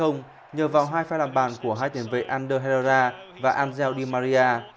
nhờ vào hai pha làm bàn của hai tiền vệ ander herrera và angel di maria